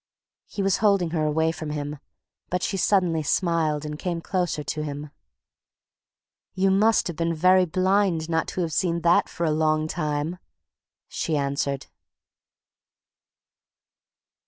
He was holding her away from him, but she suddenly smiled and came closer to him. "You must have been very blind not to have seen that for a long time!" she answered.